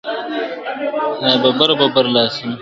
داببر ببر لاسونه ..